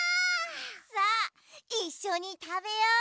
さあいっしょにたべよう！